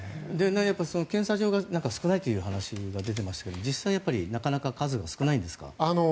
検査場が少ないという話が出ていますが実際やっぱり、なかなか数が少ないんですか？